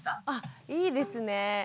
あいいですね。